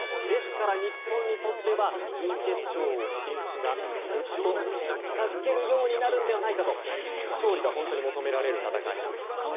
ですから日本にとっては準決勝進出がぐっと近づくのではないかと勝利が本当に求められる戦いなんです。